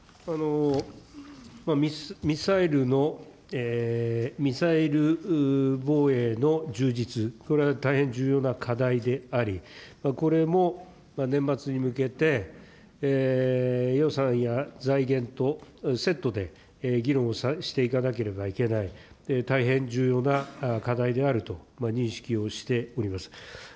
ミサイルの、ミサイル防衛の充実、これは大変重要な課題であり、これも年末に向けて、予算や財源とセットで議論をしていかなければいけない、大変重要な課題であると認識をしております。